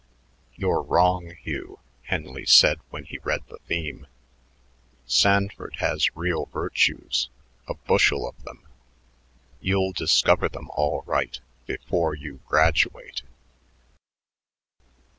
"You're wrong, Hugh," Henley said when he read the theme. "Sanford has real virtues, a bushel of them. You'll discover them all right before you graduate."